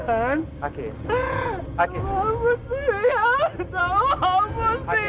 semua baik baik saja